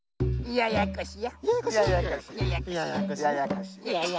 ややこしや。